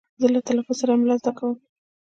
زه له تلفظ سره املا زده کوم.